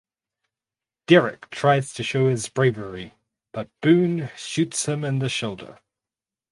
Derrick tries to show his bravery but Boon shoots him in the shoulder.